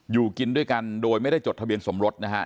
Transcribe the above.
อยู่กินด้วยกันโดยไม่ได้จดทะเบียนสมรสนะฮะ